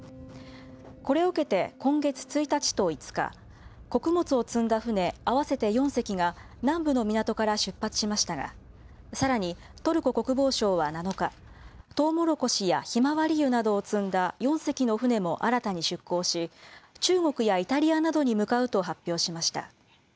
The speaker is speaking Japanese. これを受けて今月１日と５日、穀物を積んだ船合わせ４隻が、南部の港から出発しましたが、さらにトルコ国防省は７日、トウモロコシやひまわり油などを積んだ４隻の船も新たに出港し、中国やイタリアなどに向かうと発表しました。